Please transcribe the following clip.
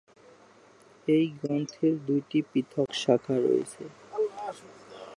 এই গ্রন্থের দুটি পৃথক শাখা রয়েছে।